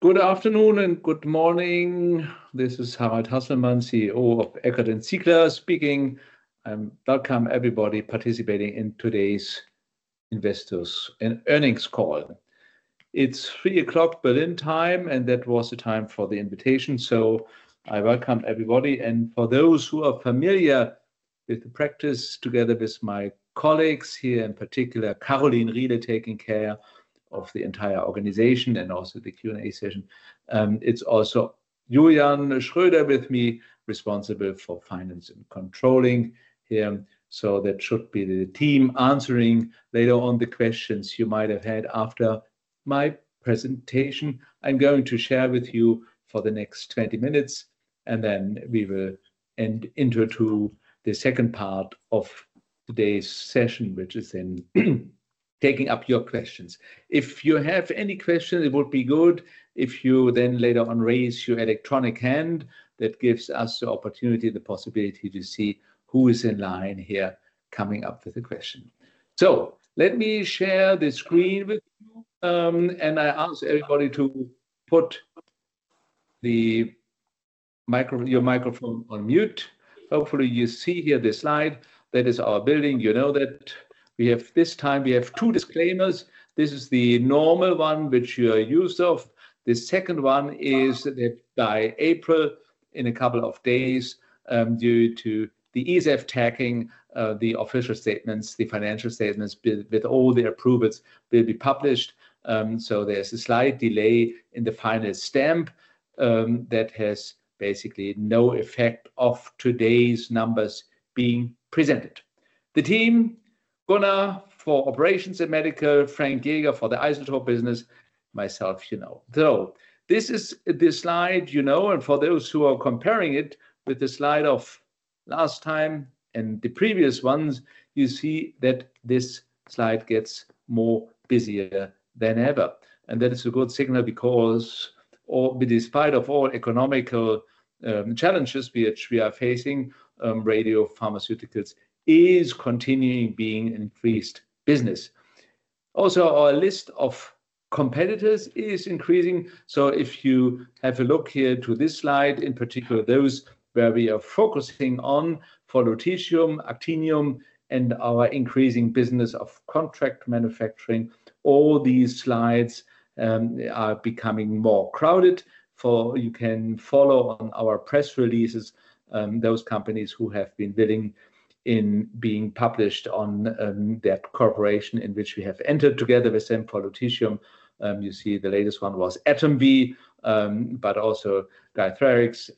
Good afternoon and good morning. This is Harald Hasselmann, CEO of Eckert & Ziegler speaking. I welcome everybody participating in today's investors' and earnings call. It's 3:00 P.M. Berlin time, and that was the time for the invitation. I welcome everybody. For those who are familiar with the practice, together with my colleagues here, in particular, Karolin Riehle taking care of the entire organization and also the Q&A session. It's also Julian Schröder with me, responsible for finance and controlling here. That should be the team answering later on the questions you might have had after my presentation. I'm going to share with you for the next 20 minutes, and we will enter to the second part of today's session, which is then taking up your questions. If you have any questions, it would be good if you then later on raise your electronic hand. That gives us the opportunity and the possibility to see who is in line here coming up with a question. Let me share the screen with you, and I ask everybody to put your microphone on mute. Hopefully, you see here the slide. That is our building. You know that we have this time, we have two disclaimers. This is the normal one, which you are used to. The second one is that by April, in a couple of days, due to the ESEF tagging, the official statements, the financial statements with all the approvals will be published. There is a slight delay in the final stamp. That has basically no effect of today's numbers being presented. The team, Gunnar for operations and medical, Frank Yeager for the isotope business, myself, you know. This is the slide, you know, and for those who are comparing it with the slide of last time and the previous ones, you see that this slide gets more busier than ever. That is a good signal because, despite all economical challenges which we are facing, radiopharmaceuticals is continuing being an increased business. Also, our list of competitors is increasing. If you have a look here to this slide, in particular, those where we are focusing on lutetium, actinium, and our increasing business of contract manufacturing, all these slides are becoming more crowded. You can follow on our press releases those companies who have been willing in being published on that cooperation in which we have entered together with them for lutetium. You see the latest one was AtomVie, but also Bicycle Therapeutics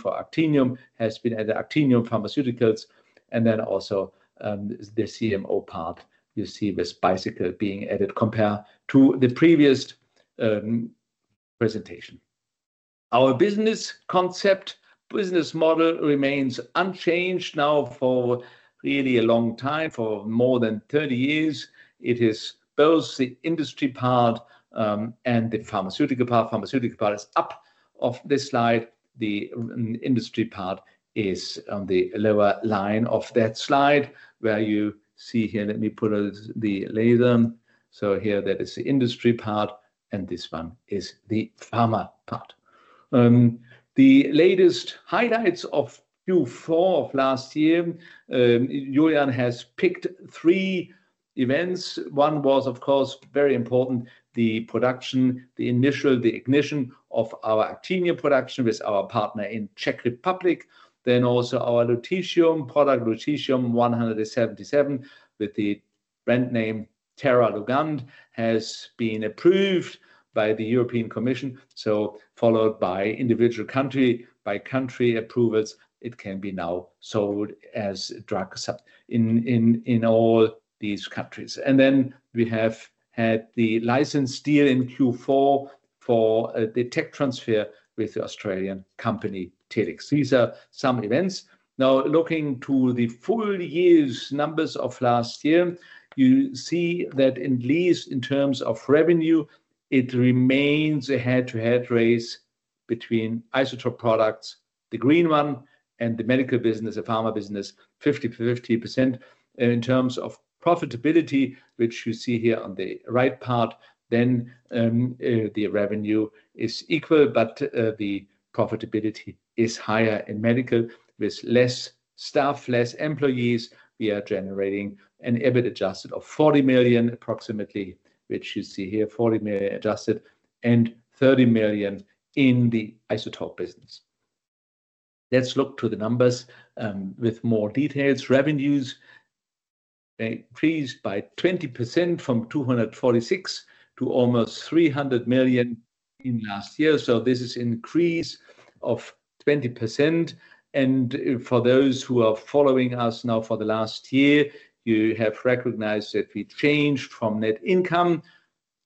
for actinium has been added, Actinium Pharmaceuticals. Also, the CMO part, you see this Bicycle being added compared to the previous presentation. Our business concept, business model remains unchanged now for really a long time, for more than 30 years. It is both the industry part and the pharmaceutical part. Pharmaceutical part is up off this slide. The industry part is on the lower line of that slide where you see here. Let me put the laser. Here, that is the industry part, and this one is the pharma part. The latest highlights of Q4 of last year, Julian has picked three events. One was, of course, very important, the production, the initial, the ignition of our actinium production with our partner in Czech Republic. Also, our lutetium product, lutetium-177 with the brand name Teraliga, has been approved by the European Commission. Followed by individual country-by-country approvals, it can be now sold as a drug in all these countries. We have had the license deal in Q4 for the tech transfer with the Australian company Telix. These are some events. Now looking to the full year's numbers of last year, you see that at least in terms of revenue, it remains a head-to-head race between isotope products, the green one, and the medical business, the pharma business, 50/50. In terms of profitability, which you see here on the right part, the revenue is equal, but the profitability is higher in medical with less staff, less employees. We are generating an EBIT adjusted of 40 million approximately, which you see here, 40 million adjusted and 30 million in the isotope business. Let's look to the numbers with more details. Revenues increased by 20% from 246 million to almost 300 million in last year. This is an increase of 20%. For those who are following us now for the last year, you have recognized that we changed from net income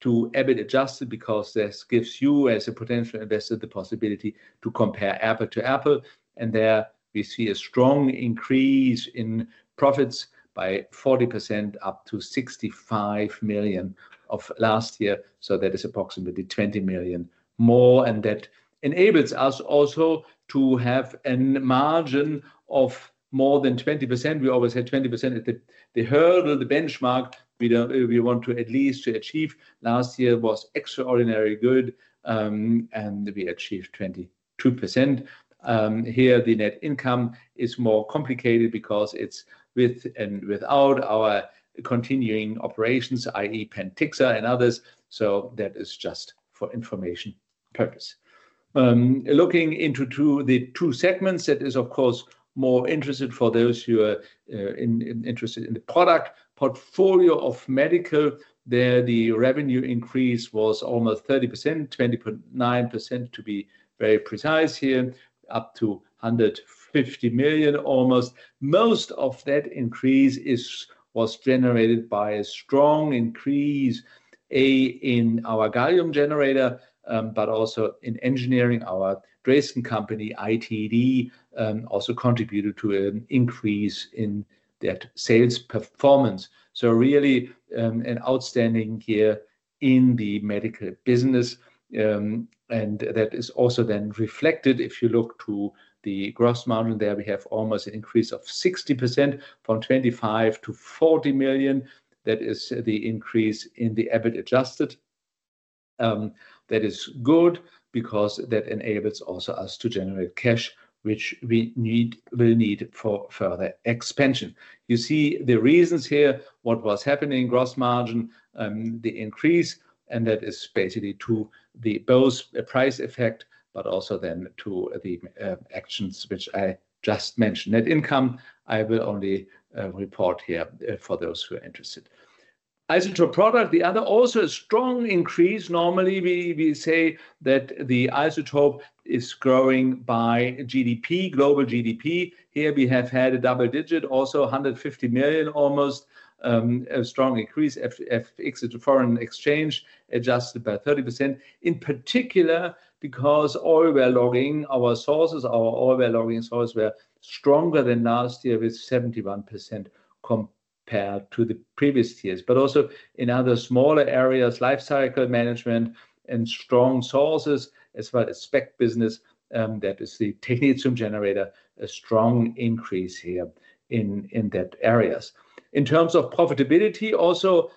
to EBIT adjusted because this gives you as a potential investor the possibility to compare Apple to Apple. There we see a strong increase in profits by 40% up to 65 million of last year. That is approximately 20 million more. That enables us also to have a margin of more than 20%. We always had 20% at the hurdle, the benchmark we want to at least achieve. Last year was extraordinarily good, and we achieved 22%. Here, the net income is more complicated because it is with and without our continuing operations, i.e., Pentixa and others. That is just for information purpose. Looking into the two segments, that is, of course, more interesting for those who are interested in the product portfolio of medical, there the revenue increase was almost 30%, 29% to be very precise here, up to 150 million almost. Most of that increase was generated by a strong increase, A, in our gallium generator, but also in engineering. Our Dresden company, ITD, also contributed to an increase in that sales performance. Really an outstanding year in the medical business. That is also then reflected if you look to the gross margin. There we have almost an increase of 60% from 25 million to 40 million. That is the increase in the EBIT adjusted. That is good because that enables also us to generate cash, which we will need for further expansion. You see the reasons here, what was happening, gross margin, the increase, and that is basically to both the price effect, but also then to the actions which I just mentioned. Net income, I will only report here for those who are interested. Isotope product, the other also a strong increase. Normally we say that the isotope is growing by GDP, global GDP. Here we have had a double digit, also 150 million almost, a strong increase, FX, foreign exchange adjusted by 30%, in particular because oil well logging, our sources, our oil well logging sources were stronger than last year with 71% compared to the previous years. Also in other smaller areas, life cycle management and strong sources as well as SPECT business, that is the technetium generator, a strong increase here in that areas. In terms of profitability, also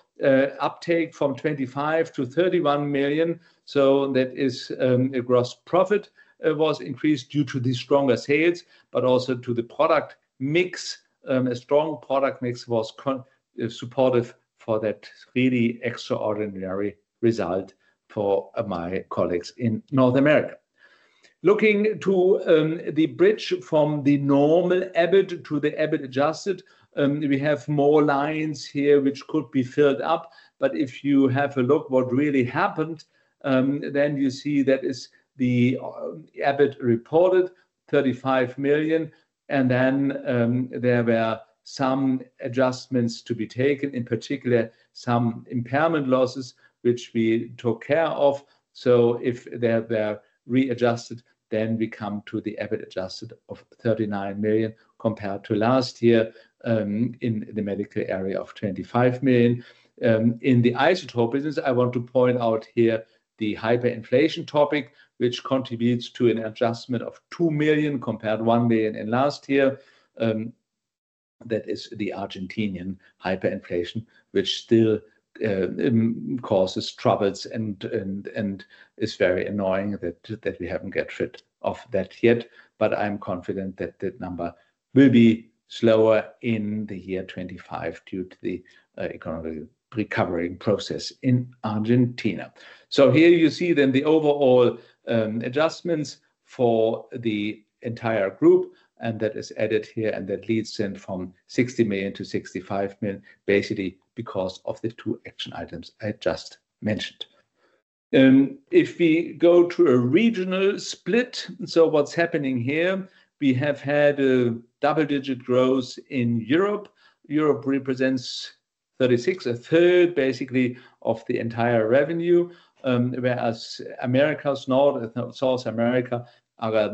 uptake from 25 million to 31 million. That is, gross profit was increased due to the stronger sales, but also to the product mix. A strong product mix was supportive for that really extraordinary result for my colleagues in North America. Looking to the bridge from the normal EBIT to the EBIT adjusted, we have more lines here which could be filled up. If you have a look at what really happened, then you see that is the EBIT reported, 35 million. There were some adjustments to be taken, in particular some impairment losses, which we took care of. If they are readjusted, then we come to the EBIT adjusted of 39 million compared to last year in the medical area of 25 million. In the isotope business, I want to point out here the hyperinflation topic, which contributes to an adjustment of 2 million compared to 1 million in last year. That is the Argentinian hyperinflation, which still causes troubles and is very annoying that we haven't got rid of that yet. I'm confident that that number will be slower in the year 2025 due to the economic recovery process in Argentina. Here you see then the overall adjustments for the entire group, and that is added here, and that leads then from 60 million to 65 million, basically because of the two action items I just mentioned. If we go to a regional split, what's happening here, we have had a double-digit growth in Europe. Europe represents 36%, 1/3 basically of the entire revenue, whereas America, South America, are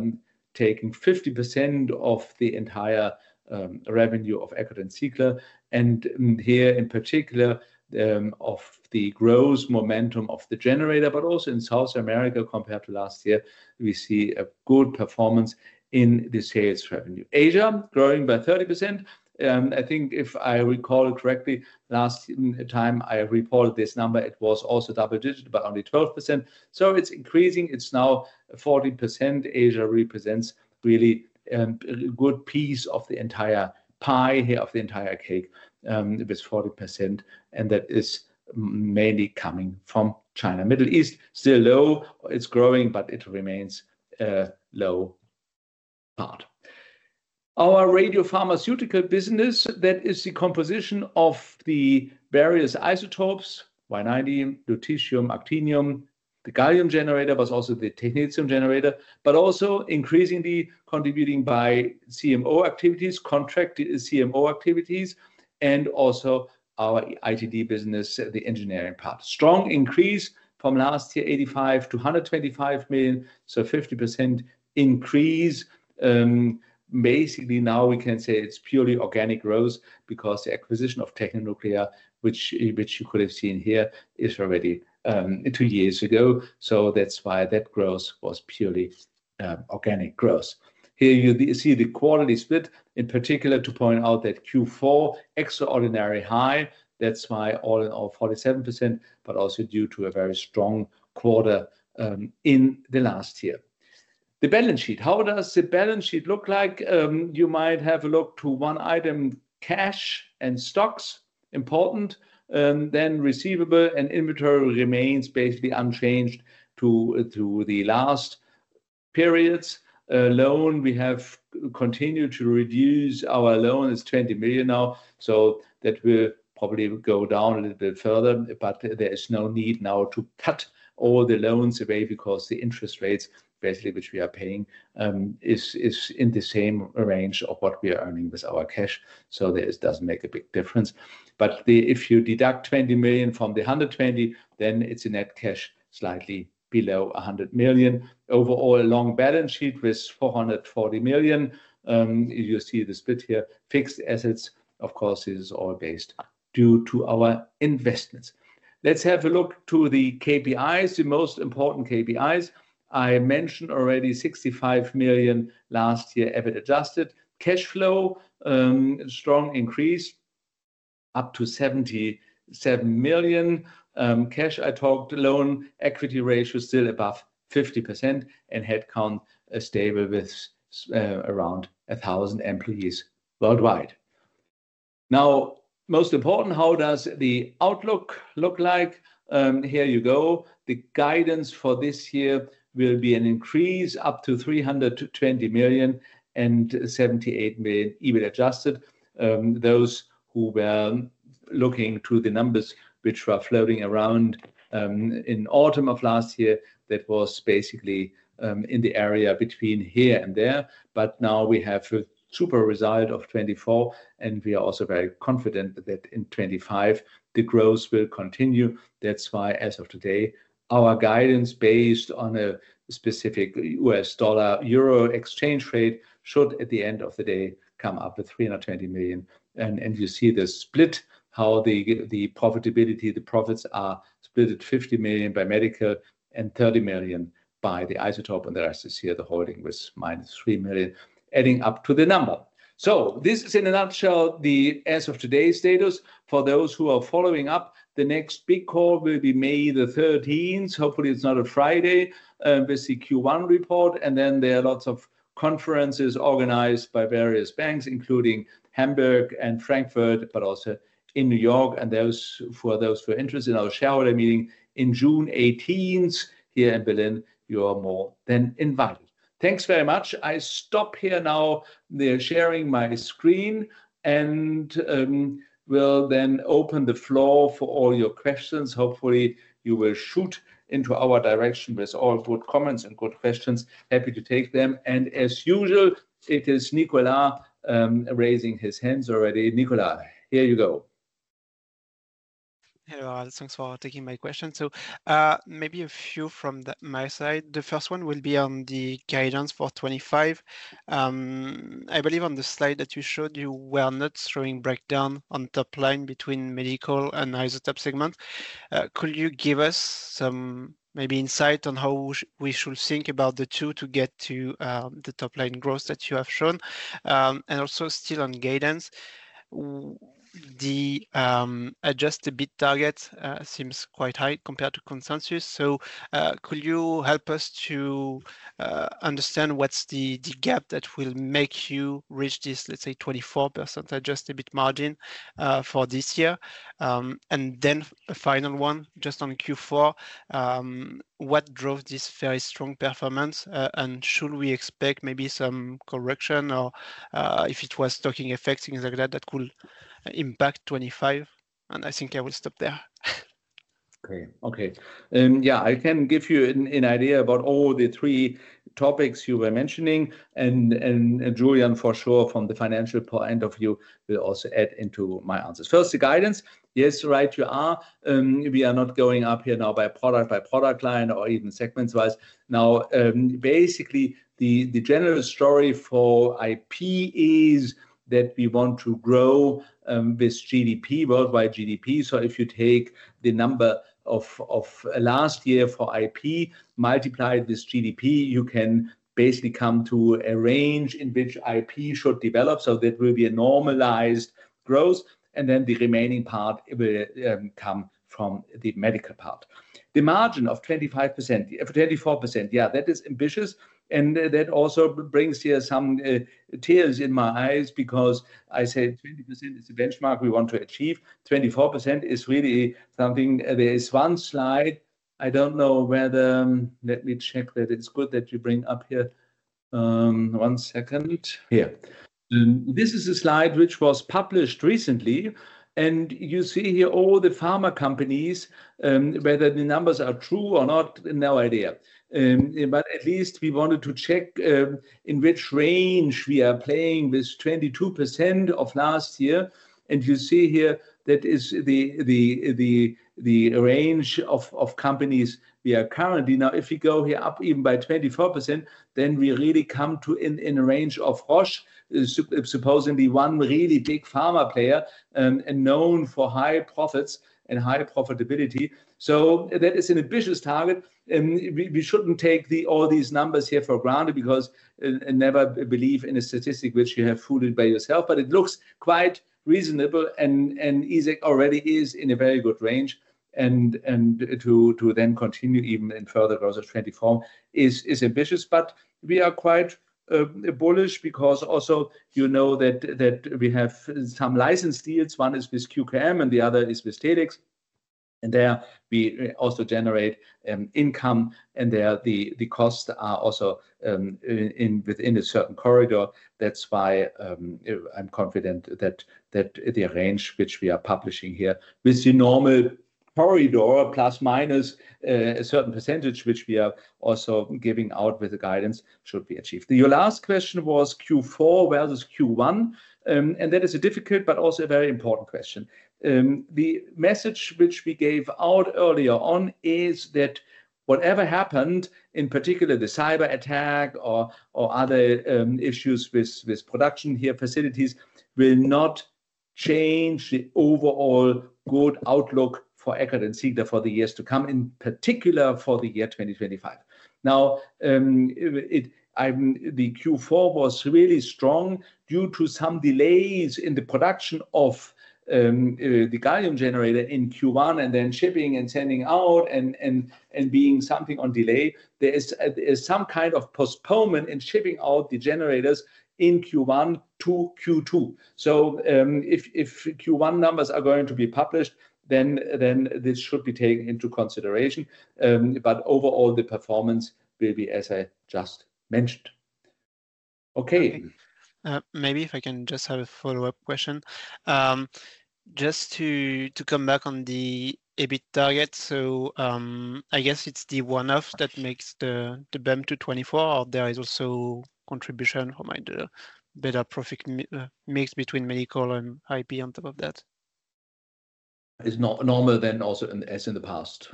taking 50% of the entire revenue of Eckert & Ziegler. Here in particular of the growth momentum of the generator, but also in South America compared to last year, we see a good performance in the sales revenue. Asia growing by 30%. I think if I recall correctly, last time I reported this number, it was also double-digit, but only 12%. It is increasing. It is now 40%. Asia represents really a good piece of the entire pie here, of the entire cake with 40%. That is mainly coming from China. Middle East, still low. It is growing, but it remains a low part. Our radiopharmaceutical business, that is the composition of the various isotopes, Yttrium-90, lutetium, actinium. The gallium generator was also the technetium generator, but also increasingly contributing by CMO activities, contract CMO activities, and also our ITD business, the engineering part. Strong increase from last year, 85 million to 125 million. So 50% increase. Basically now we can say it's purely organic growth because the acquisition of Tecnonuclear, which you could have seen here, is already two years ago. That's why that growth was purely organic growth. Here you see the quarterly split, in particular to point out that Q4, extraordinary high. That's why all in all 47%, but also due to a very strong quarter in the last year. The balance sheet, how does the balance sheet look like? You might have a look to one item, cash and stocks, important. Then receivable and inventory remains basically unchanged to the last periods. Loan, we have continued to reduce our loan. It's 20 million now. That will probably go down a little bit further, but there is no need now to cut all the loans away because the interest rates basically which we are paying is in the same range of what we are earning with our cash. It does not make a big difference. If you deduct 20 million from the 120 million, then it is a net cash slightly below 100 million. Overall, a long balance sheet with 440 million. You see the split here. Fixed assets, of course, this is all based due to our investments. Let's have a look to the KPIs, the most important KPIs. I mentioned already 65 million last year EBIT adjusted. Cash flow, strong increase up to 77 million. Cash, I talked loan equity ratio still above 50% and headcount stable with around 1,000 employees worldwide. Now, most important, how does the outlook look like? Here you go. The guidance for this year will be an increase up to 320 million and 78 million EBIT adjusted. Those who were looking to the numbers which were floating around in autumn of last year, that was basically in the area between here and there. Now we have a super result of 2024, and we are also very confident that in 2025 the growth will continue. That is why as of today, our guidance based on a specific U.S. dollar, Euro exchange rate should at the end of the day come up with 320 million. You see the split, how the profitability, the profits are split at 50 million by medical and 30 million by the isotope. The rest is here the holding with minus 3 million, adding up to the number. This is in a nutshell the as of today's status. For those who are following up, the next big call will be May the 13th. Hopefully it is not a Friday with the Q1 report. There are lots of conferences organized by various banks, including Hamburg and Frankfurt, but also in New York. For those who are interested in our shareholder meeting on June 18th here in Berlin, you are more than invited. Thanks very much. I stop here now sharing my screen and will then open the floor for all your questions. Hopefully you will shoot into our direction with all good comments and good questions. Happy to take them. As usual, it is Nicolas raising his hands already. Nicolas, here you go. Hello, thanks for taking my question. Maybe a few from my side. The first one will be on the guidance for 2025. I believe on the slide that you showed, you were not showing breakdown on top line between medical and isotope segment. Could you give us some maybe insight on how we should think about the two to get to the top line growth that you have shown? Also still on guidance, the adjusted EBIT target seems quite high compared to consensus. Could you help us to understand what's the gap that will make you reach this, let's say, 24% adjusted EBIT margin for this year? A final one, just on Q4, what drove this very strong performance? Should we expect maybe some correction or if it was stocking effect, things like that, that could impact 2025? I think I will stop there. Great. Okay. Yeah, I can give you an idea about all the three topics you were mentioning. And Julian for sure from the financial point of view will also add into my answers. First, the guidance. Yes, right, you are. We are not going up here now by product, by product line or even segments-wise. Now, basically the general story for IP is that we want to grow with GDP, worldwide GDP. If you take the number of last year for IP, multiply it with GDP, you can basically come to a range in which IP should develop. That will be a normalized growth. The remaining part will come from the medical part. The margin of 25%, 24%, yeah, that is ambitious. That also brings here some tears in my eyes because I said 20% is the benchmark we want to achieve. 24% is really something. There is one slide. I don't know whether, let me check that it's good that you bring up here. One second. Here. This is a slide which was published recently. And you see here all the pharma companies, whether the numbers are true or not, no idea. But at least we wanted to check in which range we are playing with 22% of last year. And you see here that is the range of companies we are currently. Now, if you go here up even by 24%, then we really come to in a range of Roche, supposedly one really big pharma player and known for high profits and high profitability. That is an ambitious target. We shouldn't take all these numbers here for granted because I never believe in a statistic which you have fooled by yourself. It looks quite reasonable and EZAG already is in a very good range. To then continue even in further growth of 2024 is ambitious. We are quite bullish because also, you know, that we have some license deals. One is with QKM and the other is with Telix. There we also generate income and the costs are also within a certain corridor. That is why I'm confident that the range which we are publishing here with the normal corridor plus minus a certain percentage which we are also giving out with the guidance should be achieved. Your last question was Q4 versus Q1. That is a difficult, but also a very important question. The message which we gave out earlier on is that whatever happened, in particular the cyber attack or other issues with production here facilities will not change the overall good outlook for Eckert & Ziegler for the years to come, in particular for the year 2025. Now, the Q4 was really strong due to some delays in the production of the gallium generator in Q1 and then shipping and sending out and being something on delay. There is some kind of postponement in shipping out the generators in Q1 to Q2. If Q1 numbers are going to be published, then this should be taken into consideration. Overall, the performance will be, as I just mentioned. Okay. Maybe if I can just have a follow-up question. Just to come back on the EBIT target, so I guess it's the one-off that makes the bump to 2024, or there is also contribution from a better profit mix between medical and IP on top of that? It's normal then also as in the past.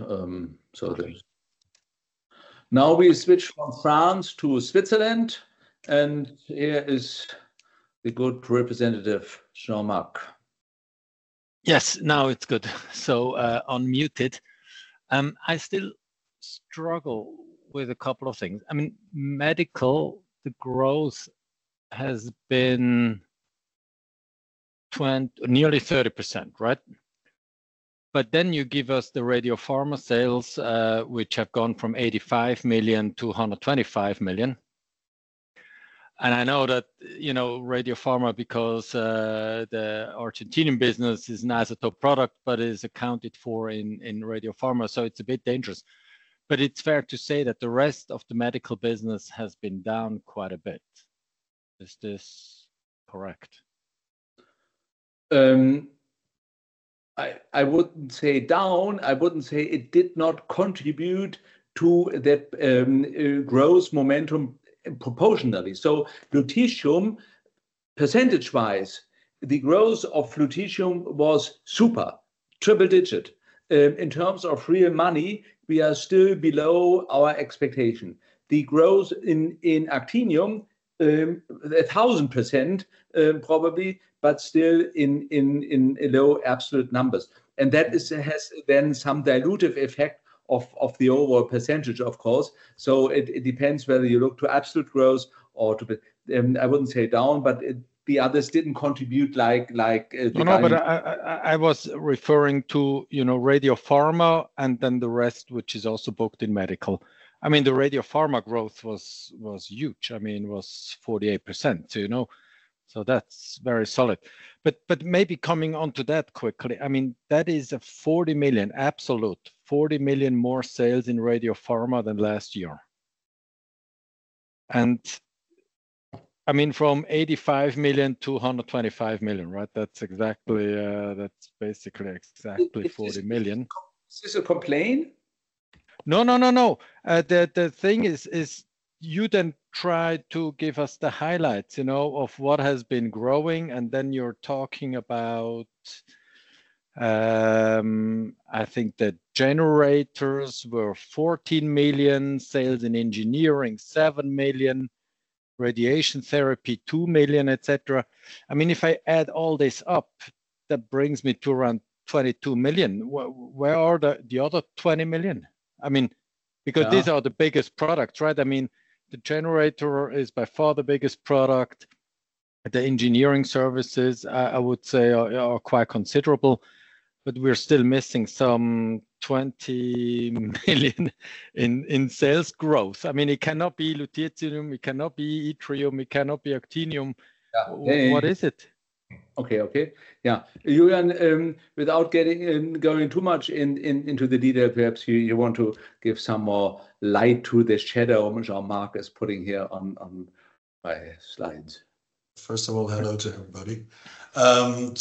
Now we switch from France to Switzerland. And here is the good representative, Jean-Marc. Yes, now it's good. I still struggle with a couple of things. I mean, medical, the growth has been nearly 30%, right? Then you give us the radiopharma sales, which have gone from 85 million to 125 million. I know that radiopharma, because the Argentinian business is not a top product, but it is accounted for in radiopharma. It is a bit dangerous. It is fair to say that the rest of the medical business has been down quite a bit. Is this correct? I wouldn't say down. I wouldn't say it did not contribute to that growth momentum proportionally. So lutetium, percentage-wise, the growth of lutetium was super, triple digit. In terms of real money, we are still below our expectation. The growth in actinium, 1,000% probably, but still in low absolute numbers. That has then some dilutive effect of the overall percentage, of course. It depends whether you look to absolute growth or to, I wouldn't say down, but the others didn't contribute like the guidance. No, but I was referring to radiopharma and then the rest, which is also booked in medical. I mean, the radiopharma growth was huge. I mean, it was 48%. That is very solid. Maybe coming on to that quickly, that is a 40 million, absolute, 40 million more sales in radiopharma than last year. I mean, from 85 million to 125 million, right? That is basically exactly 40 million. Is this a complaint? No, no, no. The thing is, you then try to give us the highlights of what has been growing. And then you're talking about, I think the generators were 14 million sales in engineering, 7 million, radiation therapy, 2 million, etc. I mean, if I add all this up, that brings me to around 22 million. Where are the other 20 million? I mean, because these are the biggest products, right? I mean, the generator is by far the biggest product. The engineering services, I would say, are quite considerable. But we're still missing some 20 million in sales growth. I mean, it cannot be lutetium. It cannot be actinium. What is it? Okay, okay. Yeah. Julian, without getting going too much into the detail, perhaps you want to give some more light to the shadow which Jean-Marc is putting here on my slides. First of all, hello to everybody.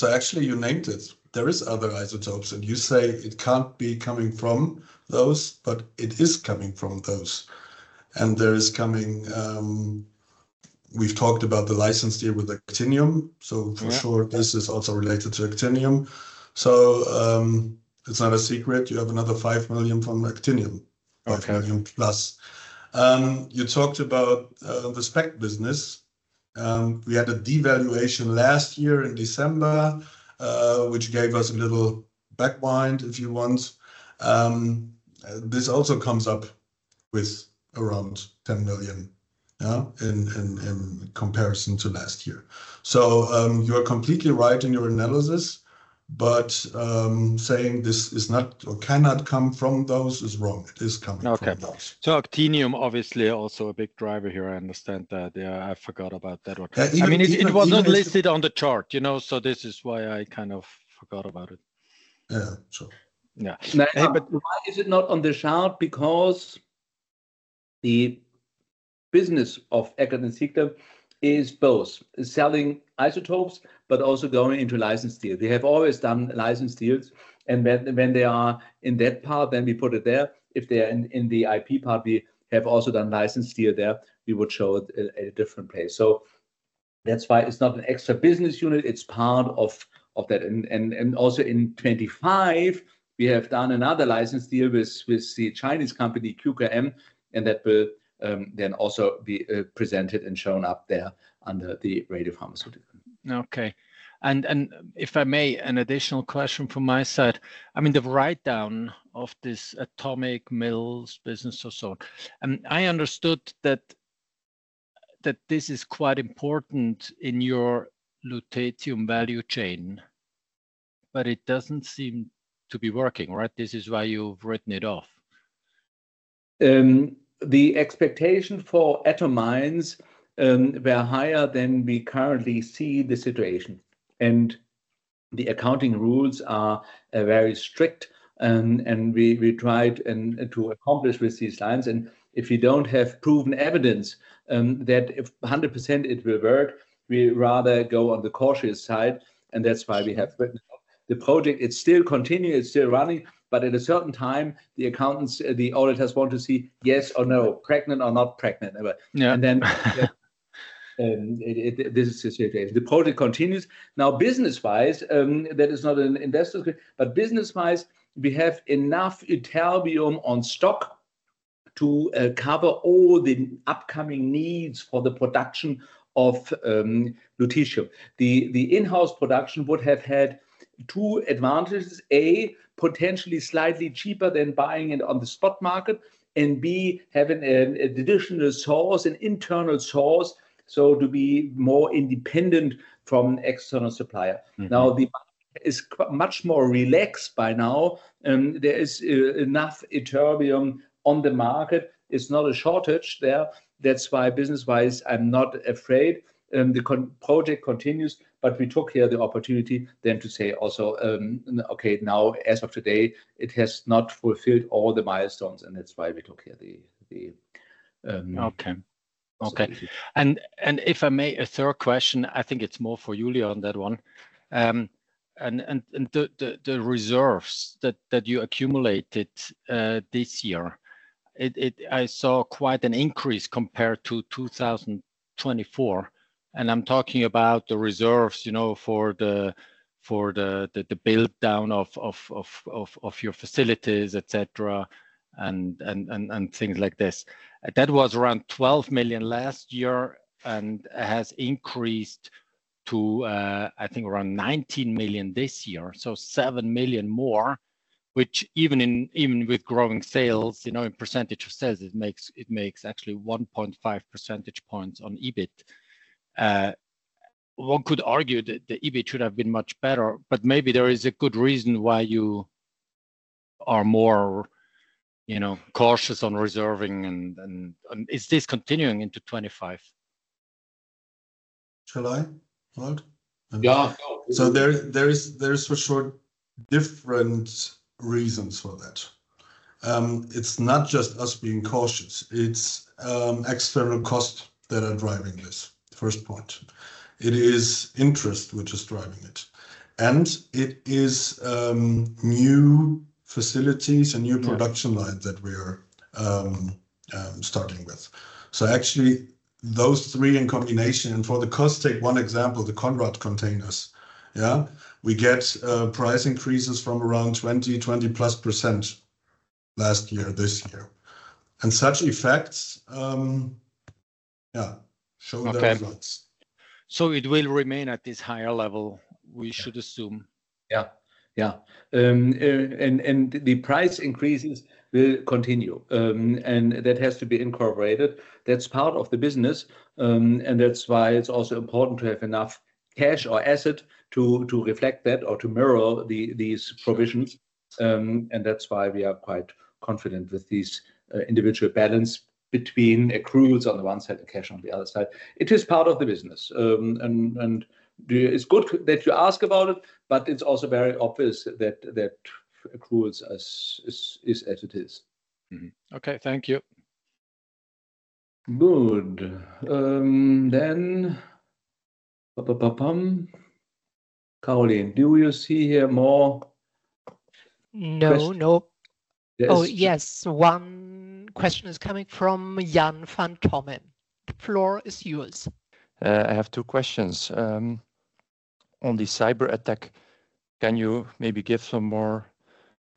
Actually, you named it. There are other isotopes. You say it cannot be coming from those, but it is coming from those. There is coming, we have talked about the license deal with actinium. For sure, this is also related to actinium. It is not a secret. You have another 5 million from actinium, 5 million plus. You talked about the SPECT business. We had a devaluation last year in December, which gave us a little back wind, if you want. This also comes up with around 10 million in comparison to last year. You are completely right in your analysis. Saying this cannot come from those is wrong. It is coming from those. Okay. Actinium obviously also a big driver here. I understand that. I forgot about that. I mean, it wasn't listed on the chart. This is why I kind of forgot about it. Yeah, sure. Why is it not on the chart? Because the business of Eckert & Ziegler is both selling isotopes, but also going into license deals. They have always done license deals. When they are in that part, then we put it there. If they are in the IP part, we have also done license deal there. We would show it at a different place. That is why it is not an extra business unit. It is part of that. Also in 2025, we have done another license deal with the Chinese company QKM. That will then also be presented and shown up there under the radiopharmaceutical. Okay. If I may, an additional question from my side. I mean, the write-down of this Atom Mines business or so. I understood that this is quite important in your lutetium value chain, but it does not seem to be working, right? This is why you have written it off. The expectation for atom mines were higher than we currently see the situation. The accounting rules are very strict. We tried to accomplish with these lines. If you do not have proven evidence that 100% it will work, we rather go on the cautious side. That is why we have written it off. The project, it is still continuing. It is still running. At a certain time, the accountants, the auditors want to see yes or no, pregnant or not pregnant. This is the situation. The project continues. Business-wise, that is not an investor's good. Business-wise, we have enough ytterbium on stock to cover all the upcoming needs for the production of lutetium. The in-house production would have had two advantages. A) Potentially slightly cheaper than buying it on the spot market. B) Having an additional source, an internal source, to be more independent from an external supplier. Now, the market is much more relaxed by now. There is enough ytterbium on the market. It's not a shortage there. That's why business-wise, I'm not afraid. The project continues. We took here the opportunity then to say also, okay, now as of today, it has not fulfilled all the milestones. That's why we took here. Okay. If I may, a third question. I think it's more for Julian, that one. The reserves that you accumulated this year, I saw quite an increase compared to 2024. I'm talking about the reserves for the build-down of your facilities, etc., and things like this. That was around 12 million last year and has increased to, I think, around 19 million this year. So 7 million more, which even with growing sales, in percentage of sales, it makes actually 1.5 percentage points on EBIT. One could argue that the EBIT should have been much better. Maybe there is a good reason why you are more cautious on reserving. Is this continuing into 2025? Shall I hold? Yeah. There are for sure different reasons for that. It's not just us being cautious. It's external costs that are driving this, first point. It is interest which is driving it. It is new facilities and new production lines that we are starting with. Actually, those three in combination, and for the cost, take one example, the Konrad containers. We get price increases from around 20%, 20%+ last year, this year. Such effects showed levels. Okay. It will remain at this higher level, we should assume. Yeah. Yeah. The price increases will continue. That has to be incorporated. That is part of the business. That is why it is also important to have enough cash or asset to reflect that or to mirror these provisions. That is why we are quite confident with this individual balance between accruals on the one side and cash on the other side. It is part of the business. It is good that you ask about it, but it is also very obvious that accruals is as it is. Okay. Thank you. Good. Karolin, do you see here more? No. Oh, yes. One question is coming from Jan Van Tomme. The floor is yours. I have two questions. On the cyber attack, can you maybe give some more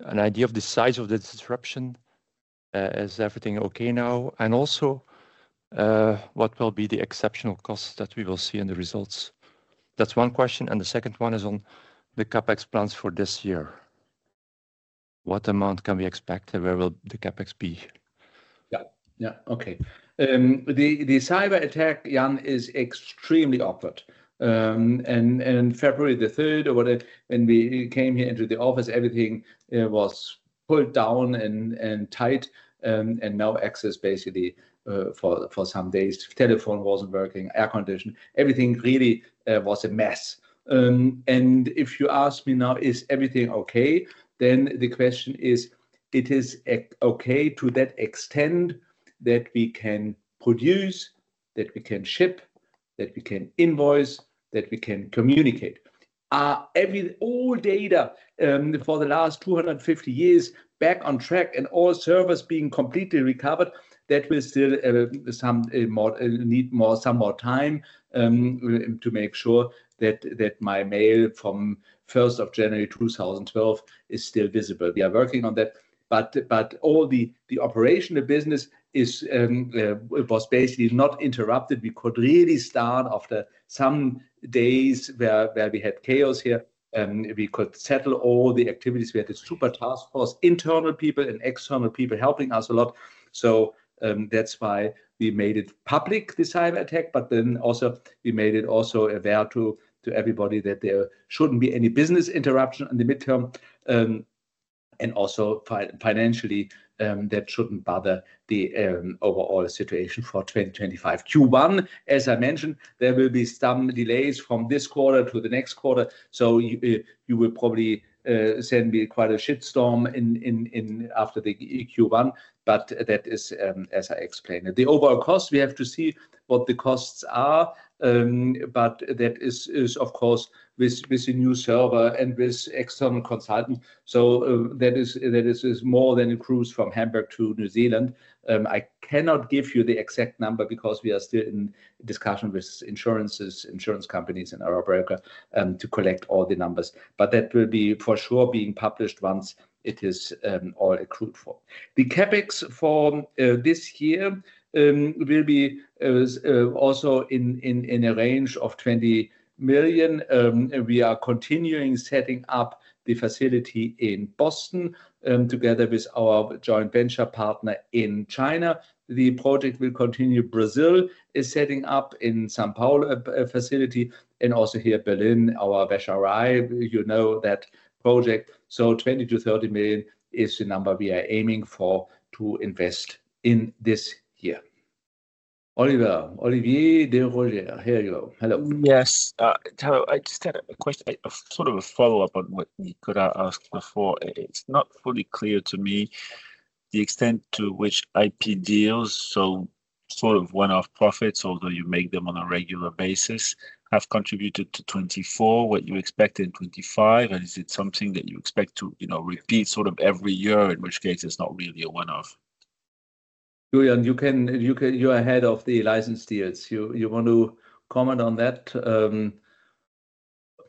an idea of the size of the disruption? Is everything okay now? Also, what will be the exceptional costs that we will see in the results? That is one question. The second one is on the CapEx plans for this year. What amount can we expect? Where will the CapEx be? Yeah. Okay. The cyber attack, Jan, is extremely awkward. On February 3rd, when we came here into the office, everything was pulled down and tight. No access, basically, for some days, telephone was not working, air conditioning. Everything really was a mess. If you ask me now, is everything okay, then the question is, it is okay to that extent that we can produce, that we can ship, that we can invoice, that we can communicate. All data for the last 250 years back on track and all servers being completely recovered, that will still need some more time to make sure that my mail from January 1st, 2012 is still visible. We are working on that. All the operational business was basically not interrupted. We could really start after some days where we had chaos here. We could settle all the activities. We had a super task force, internal people and external people helping us a lot. That is why we made it public, the cyber attack. We made it also aware to everybody that there should not be any business interruption in the midterm. Also financially, that should not bother the overall situation for 2025. Q1, as I mentioned, there will be some delays from this quarter to the next quarter. You will probably send me quite a shitstorm after the Q1. That is, as I explained, the overall cost. We have to see what the costs are. That is, of course, with a new server and with external consultant. That is more than accrues from Hamburg to New Zealand. I cannot give you the exact number because we are still in discussion with insurances, insurance companies, and our broker to collect all the numbers. That will for sure be published once it is all accrued for. The CapEx for this year will be also in a range of 20 million. We are continuing setting up the facility in Boston together with our joint venture partner in China. The project will continue. Brazil is setting up in São Paulo a facility. Also here in Berlin, our [Gasharai], you know that project. 20 million-30 million is the number we are aiming for to invest in this year. [Olivier de Roger]. Here you go. Hello. Yes. I just had a question, sort of a follow-up on what we could have asked before. It's not fully clear to me the extent to which IP deals, so sort of one-off profits, although you make them on a regular basis, have contributed to 2024, what you expected in 2025. Is it something that you expect to repeat sort of every year, in which case it's not really a one-off? Julian, you're ahead of the license deals. You want to comment on that?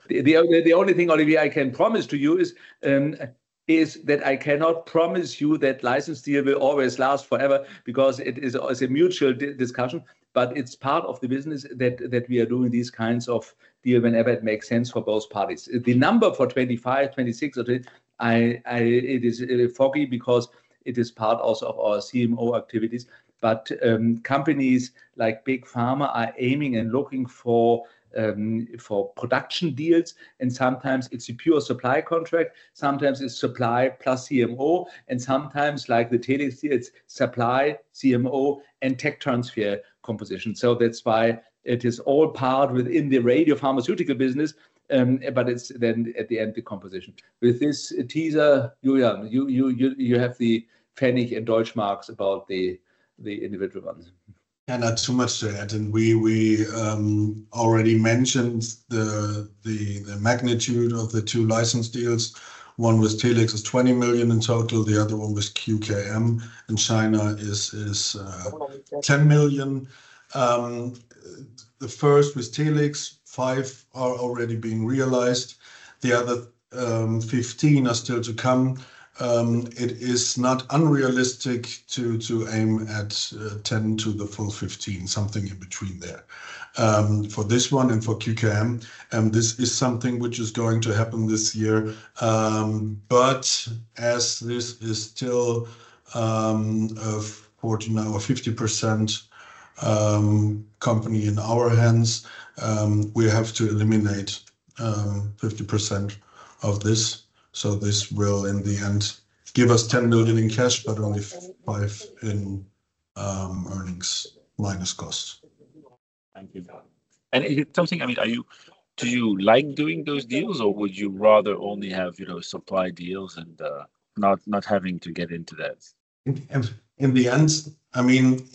The only thing, Olivier, I can promise to you is that I cannot promise you that license deal will always last forever because it is a mutual discussion. It is part of the business that we are doing these kinds of deals whenever it makes sense for both parties. The number for 2025, 2026, it is foggy because it is part also of our CMO activities. Companies like Big Pharma are aiming and looking for production deals. Sometimes it is a pure supply contract. Sometimes it is supply plus CMO. Sometimes, like the Telix deals, supply, CMO, and tech transfer composition. That is why it is all part within the radiopharmaceutical business. It is then at the end, the composition. With this teaser, Julian, you have the Fennig and Deutsche Marks about the individual ones. I have not too much to add. We already mentioned the magnitude of the two license deals. One with Telix is 20 million in total. The other one with QKM in China is 10 million. The first with Telix, five are already being realized. The other 15 are still to come. It is not unrealistic to aim at 10 to the full 15, something in between there for this one and for QKM. This is something which is going to happen this year. As this is still a 40% or 50% company in our hands, we have to eliminate 50% of this. This will, in the end, give us EUR 10 million in cash, but only five in earnings minus cost. Thank you. I mean, do you like doing those deals, or would you rather only have supply deals and not having to get into that? In the end, I mean,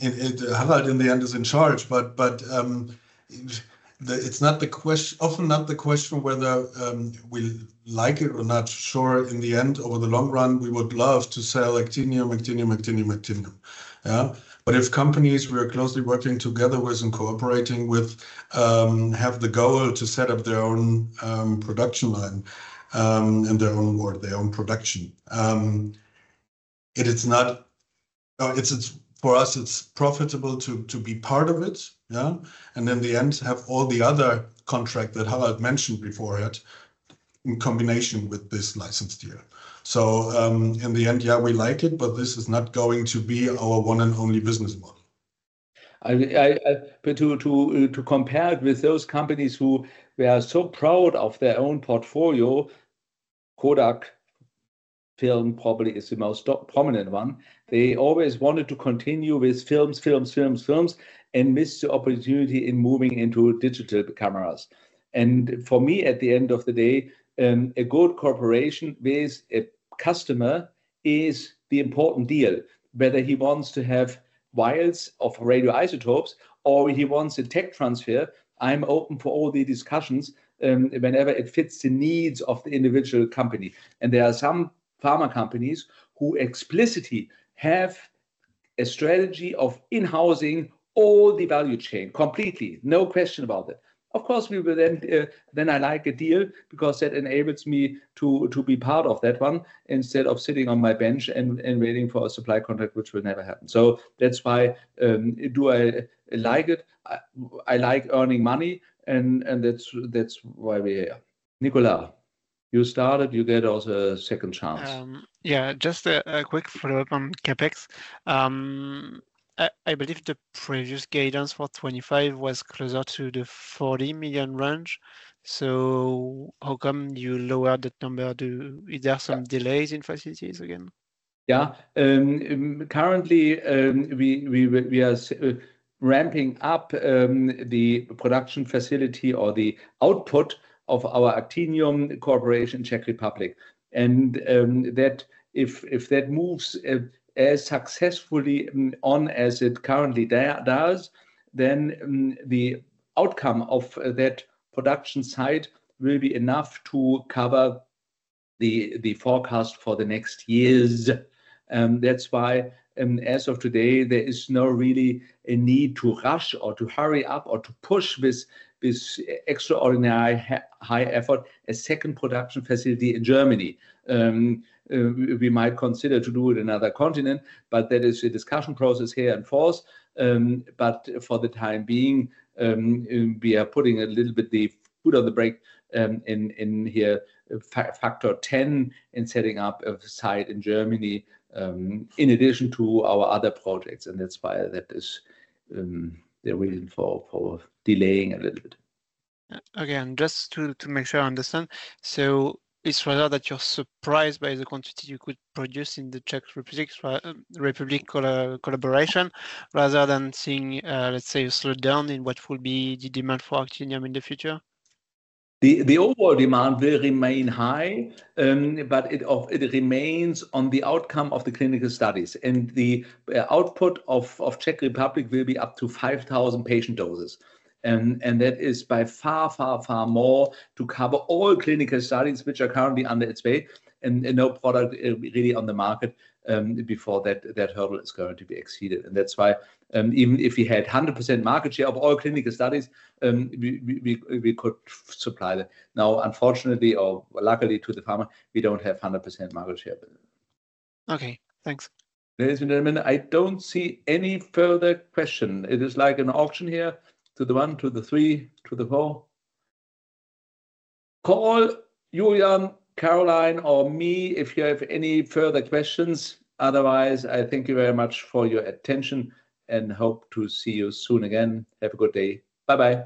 Harald in the end is in charge. But it's often not the question whether we like it or not, sure, in the end, over the long run, we would love to sell actinium, actinium, actinium, actinium. Yeah? But if companies we are closely working together with and cooperating with have the goal to set up their own production line and their own work, their own production, it is not for us, it's profitable to be part of it. Yeah? And in the end, have all the other contract that Harald mentioned before it in combination with this license deal. So in the end, yeah, we like it, but this is not going to be our one and only business model. To compare it with those companies who were so proud of their own portfolio, Kodak film probably is the most prominent one. They always wanted to continue with films, films, films, films, and missed the opportunity in moving into digital cameras. For me, at the end of the day, a good corporation with a customer is the important deal. Whether he wants to have vials of radioisotopes or he wants a tech transfer, I'm open for all the discussions whenever it fits the needs of the individual company. There are some pharma companies who explicitly have a strategy of in-housing all the value chain completely. No question about it. Of course, then I like a deal because that enables me to be part of that one instead of sitting on my bench and waiting for a supply contract, which will never happen. That is why do I like it? I like earning money. And that is why we are here. Nicolas, you started. You get also a second chance. Yeah. Just a quick follow-up on CapEx. I believe the previous guidance for 2025 was closer to the 40 million range. How come you lowered that number? Is there some delays in facilities again? Yeah. Currently, we are ramping up the production facility or the output of our actinium corporation in Czech Republic. If that moves as successfully on as it currently does, then the outcome of that production site will be enough to cover the forecast for the next years. That is why as of today, there is not really a need to rush or to hurry up or to push this extraordinary high effort, a second production facility in Germany. We might consider to do it in another continent, but that is a discussion process here in force. For the time being, we are putting a little bit the foot on the brake in here, factor 10 in setting up a site in Germany in addition to our other projects. That is the reason for delaying a little bit. Again, just to make sure I understand. It is rather that you're surprised by the quantity you could produce in the Czech Republic collaboration rather than seeing, let's say, a slowdown in what will be the demand for actinium in the future? The overall demand will remain high, but it remains on the outcome of the clinical studies. The output of Czech Republic will be up to 5,000 patient doses. That is by far, far, far more to cover all clinical studies, which are currently under its weight. No product really on the market before that hurdle is going to be exceeded. That is why even if we had 100% market share of all clinical studies, we could supply that. Now, unfortunately or luckily to the pharma, we do not have 100% market share. Okay. Thanks. Ladies and gentlemen, I do not see any further question. It is like an auction here to the one, to the three, to the four. Call Julian, Karolin, or me if you have any further questions. Otherwise, I thank you very much for your attention and hope to see you soon again. Have a good day. Bye-bye.